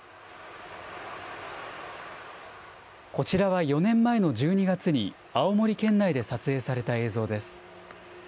こちらは４年前の１２月に、青森県内で撮影された映像です。